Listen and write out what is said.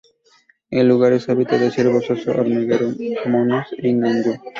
El lugar es hábitat de ciervos, oso hormiguero monos y ñandú.